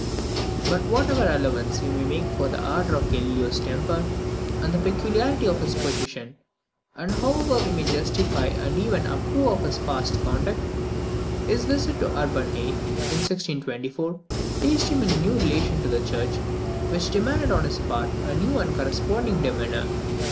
But whatever allowance we may make for the ardour of Galileo's temper, and the peculiarity of his position; and however we may justify and even approve of his past conduct, his visit to Urban VIII., in 1624, placed him in a new relation to the church, which demanded on his part a new and corresponding demeanour.